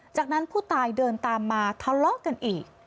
จากนั้นผู้ตายเดินตามมาทะเลาะกันอีก